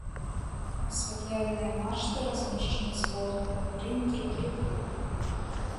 Асвятляльныя мачты размешчаны звонку па перыметры трыбун.